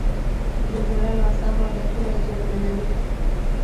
د زړه ناسم عادتونه زیانمنوي.